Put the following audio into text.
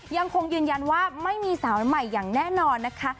ยังคงยืนยันว่าไม่มีสาวใหม่อย่างแน่นอนนะคะ